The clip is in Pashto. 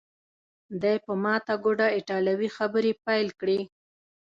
دی په ماته ګوډه ایټالوي خبرې پیل کړې.